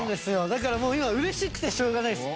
だからもう今嬉しくてしょうがないです。